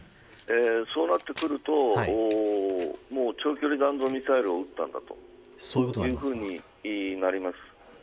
そうなってくるともう長距離弾道ミサイルを撃ったんだというふうになります。